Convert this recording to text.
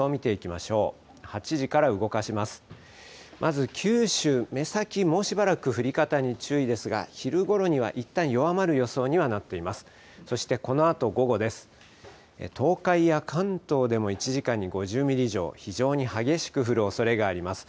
まず九州、目先もうしばらく降り方に注意ですが、昼ごろにはいったん弱まる予想にはなっています。